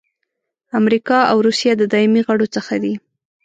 امریکا او روسیه د دایمي غړو څخه دي.